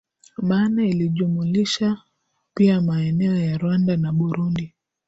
maana ilijumlisha pia maeneo ya Rwanda na Burundi